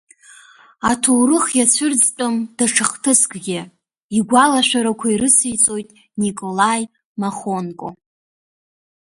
Аҭоурых иацәырӡтәым даҽа хҭыскгьы, игәалашәарақәа ирыциҵоит Николаи Махонко.